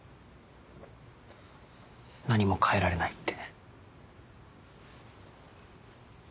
何も変えられないって。